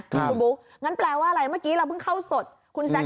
คุณบุ๊คงั้นแปลว่าอะไรเมื่อกี้เราเพิ่งเข้าสดคุณแซค